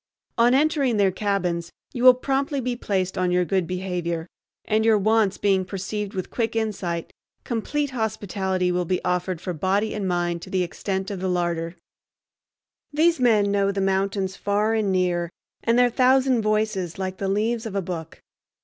On entering their cabins you will promptly be placed on your good behavior, and, your wants being perceived with quick insight, complete hospitality will be offered for body and mind to the extent of the larder. These men know the mountains far and near, and their thousand voices, like the leaves of a book.